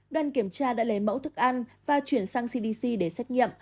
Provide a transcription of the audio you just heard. đoàn kiểm tra đã lấy mẫu thức ăn và chuyển sang cdc để xét nghiệm